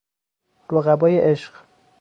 رقبای عشق